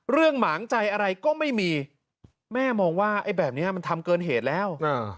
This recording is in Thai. หมางใจอะไรก็ไม่มีแม่มองว่าไอ้แบบนี้มันทำเกินเหตุแล้ว